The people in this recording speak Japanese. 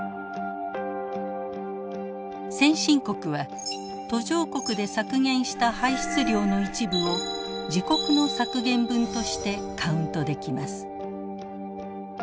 先進国は途上国で削減した排出量の一部を自国の削減分としてカウントできます。